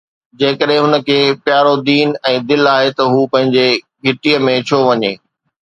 جيڪڏهن هن کي پيارو دين ۽ دل آهي ته هو پنهنجي گهٽيءَ ۾ ڇو وڃي؟